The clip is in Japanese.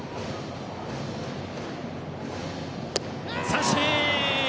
三振。